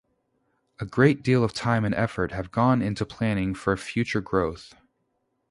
A great deal of time and effort have gone into planning for future growth.